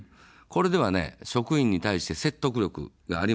これでは職員に対して説得力がありません。